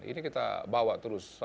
ini kita bawa terus